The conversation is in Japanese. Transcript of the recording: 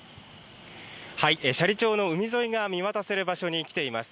斜里町の海沿いが見渡せる場所に来ています。